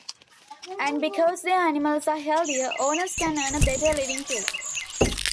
And, because their animals are healthier, owners can earn a better living too.